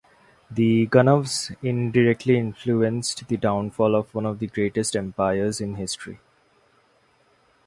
The Gunnovs indirectly influenced the downfall of one of the greatest empires in history.